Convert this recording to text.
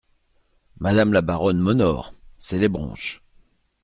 Madame la baronne m’honore, c’est les bronches.